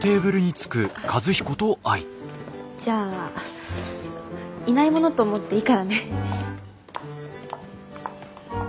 じゃあいないものと思っていいからね。